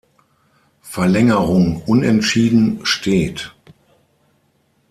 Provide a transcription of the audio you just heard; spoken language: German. Verlängerung unentschieden steht.